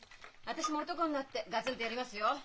私も男になってガツンとやりますよ。